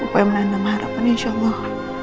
upaya menanam harapan insya allah